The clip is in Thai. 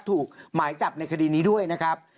ถูกหมายจับในคดีนี้ด้วยนะครับ